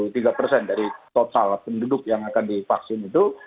jadi dari total penduduk yang akan divaksin itu